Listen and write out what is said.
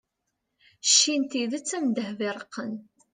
cci n tidet am ddheb iṛeqqen